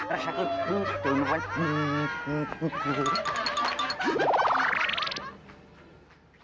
rasaku putuh maaf